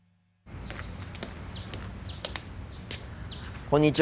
こんにちは。